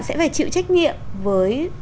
sẽ phải chịu trách nhiệm với